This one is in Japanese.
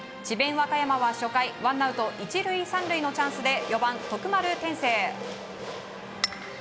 和歌山は、初回ワンアウト１塁３塁のチャンスで４番、徳丸天晴。